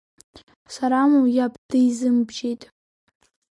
Сарамоу, иаб дизымбжьеит.